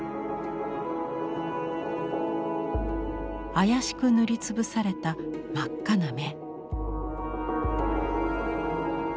妖しく塗り潰された真っ赤な目。